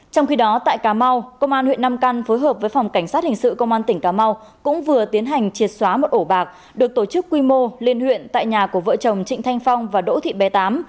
trong khi đó tại cà mau công an huyện nam căn phối hợp với phòng cảnh sát hình sự công an tỉnh cà mau cũng vừa tiến hành triệt xóa một ổ bạc được tổ chức quy mô liên huyện tại nhà của vợ chồng trịnh thanh phong và đỗ thị bé tám